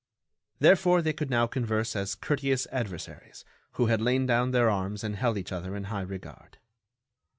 Therefore they could now converse as courteous adversaries who had lain down their arms and held each other in high regard.